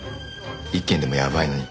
１件でもやばいのに。